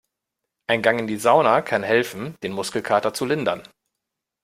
Ein Gang in die Sauna kann helfen, den Muskelkater zu lindern.